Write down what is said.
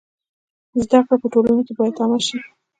زده کړه په ټولنه کي بايد عامه سي.